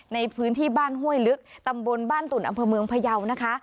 ในพื้นที่บ้านห้วยลึกตำบลบ้านตุ่นอำเภอเมืองพยาวนะคะ